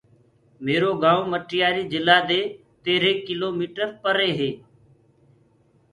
ميرو گائونٚ مٽياري جِلا دي تيرهي ڪِلو ميٽر پري هي۔